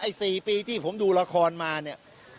๔ปีที่ผมดูละครมาเนี่ย